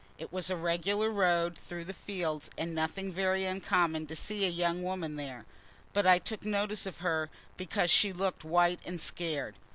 It was a regular road through the fields, and nothing very uncommon to see a young woman there, but I took notice of her because she looked white and scared.